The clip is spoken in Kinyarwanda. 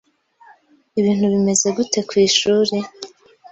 Ibintu bimeze gute kwishuri?